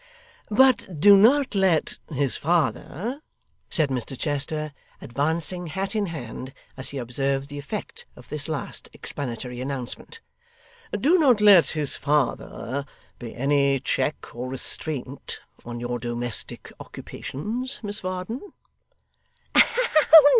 'But do not let his father,' said Mr Chester, advancing hat in hand, as he observed the effect of this last explanatory announcement, 'do not let his father be any check or restraint on your domestic occupations, Miss Varden.